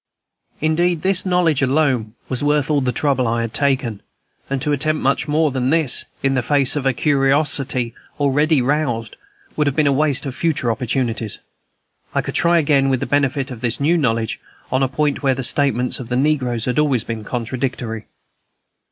Indeed, this knowledge alone was worth all the trouble I had taken, and to attempt much more than this, in the face of a curiosity already roused, would have been a waste of future opportunities. I could try again, with the benefit of this new knowledge, on a point where the statements of the negroes had always been contradictory.